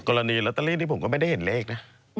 กรณีลอตเตอรี่ที่ผมก็ไม่ได้เห็นเลขนะ